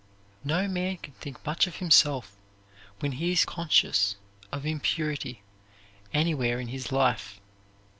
No man can think much of himself when he is conscious of impurity anywhere in his life.